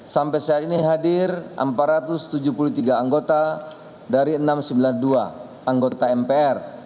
sampai saat ini hadir empat ratus tujuh puluh tiga anggota dari enam ratus sembilan puluh dua anggota mpr